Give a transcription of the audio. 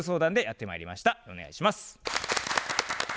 お願いします。